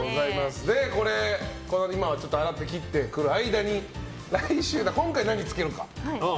今、洗って切ってくる間に今回何を漬けるか。